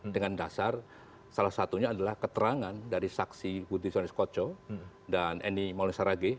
dengan dasar salah satunya adalah keterangan dari saksi budi sonis koco dan eni maulisarage